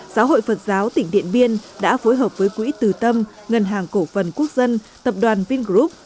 giáo hội phật giáo tỉnh điện biên đã phối hợp với quỹ từ tâm ngân hàng cổ phần quốc dân tập đoàn vingroup